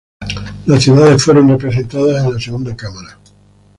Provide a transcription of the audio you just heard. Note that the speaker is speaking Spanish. Las ciudades fueron representadas en la segunda cámara.